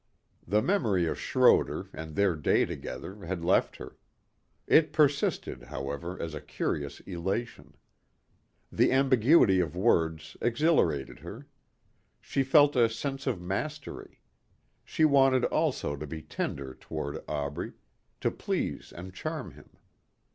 The memory of Schroder and their day together had left her. It persisted, however, as a curious elation. The ambiguity of words exhilarated her. She felt a sense of mastery. She wanted also to be tender toward Aubrey, to please and charm him.